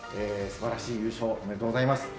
すばらしい優勝おめでとうございます。